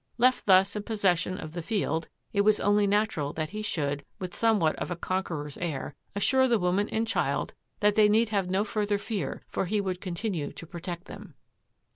Left thus in possession of the field, it was only natural that he should, with somewhat of a conqueror's air, assure the woman and child that they need have no fur ther fear for he would continue to protect them.